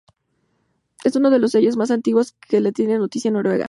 Es uno de los sellos más antiguos de que se tiene noticia en Noruega.